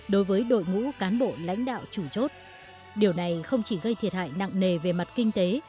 điều này không chỉ gây thiệt hại nặng nề về mặt kinh tế